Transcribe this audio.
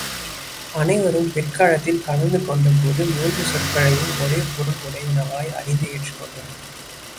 அனைவரும் பிற்காலத்தில் கலந்து கொண்டபோது, மூன்று சொற்களையும் ஒரே பொருள் உடையனவாய் அறிந்து ஏற்றுக்கொண்டனர்.